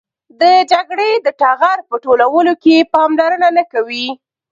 د جګړې د ټغر په ټولولو کې پاملرنه نه کوي.